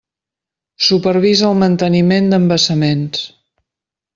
Supervisa el manteniment d'embassaments.